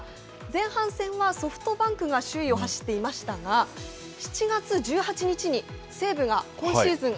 前半戦はソフトバンクが首位を走っていましたが、７月１８日に、西武が今シーズン